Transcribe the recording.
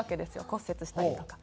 骨折したりとか。